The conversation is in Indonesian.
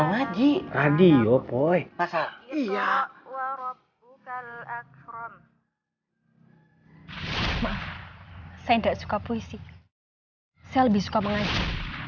lagi lagi yo boy iya saya tidak suka puisi saya lebih suka mengajak